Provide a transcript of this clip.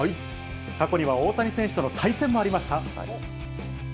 過去には大谷選手との対戦もありました。